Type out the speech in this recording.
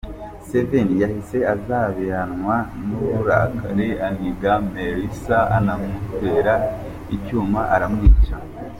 Sven yahise azabiranwa n’ uburakari aniga Melissa anamutera icyuma aramwica.